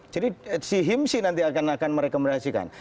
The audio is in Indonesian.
jadi si himsi nanti akan merekomendasikan